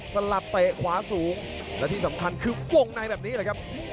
สลับเตะขวาสูงและที่สำคัญคือวงในแบบนี้เลยครับ